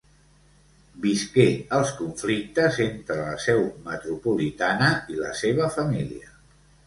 Visqué els conflictes entre la seu metropolitana i la seva família.